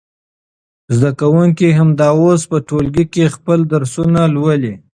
زده کوونکي همدا اوس په ټولګي کې خپل درسونه لولي.